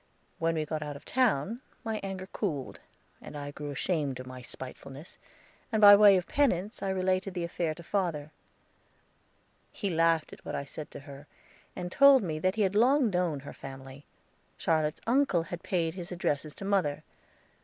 When we got out of town, my anger cooled, and I grew ashamed of my spitefulness, and by way of penance I related the affair to father. He laughed at what I said to her, and told me that he had long known her family. Charlotte's uncle had paid his addresses to mother.